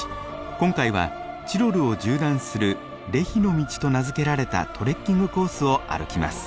今回はチロルを縦断するレヒの道と名付けられたトレッキングコースを歩きます。